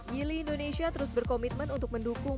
yili indonesia terus berkomitmen untuk mendukung